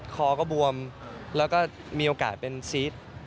คอก็บวมแล้วก็มีโอกาสเป็นซีส